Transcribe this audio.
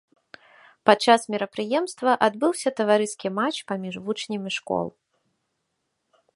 Падчас мерапрыемства адбыўся таварыскі матч паміж вучнямі школ.